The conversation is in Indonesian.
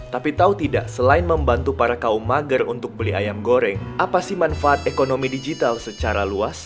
tapi tahu tidak selain membantu para kaum mager untuk beli ayam goreng apa sih manfaat ekonomi digital secara luas